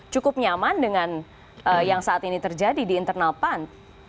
cukup nyaman dengan yang saat ini terjadi di internal pan